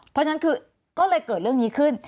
เพราะฉะนั้นคือก็เลยเกิดเรื่องนี้ขึ้น